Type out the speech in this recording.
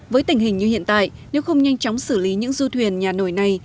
với tình hình như hiện tại nếu không nhanh chóng xử lý những du thuyền nhà nổi này